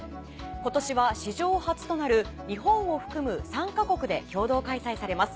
今年は史上初となる日本を含む３か国で共同開催されます。